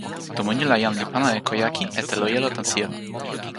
tomo ni la jan li pana e ko jaki e telo jelo tan sijelo.